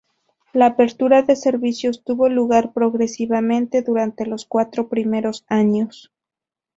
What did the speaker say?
La apertura de servicios tuvo lugar progresivamente durante los cuatro primeros años.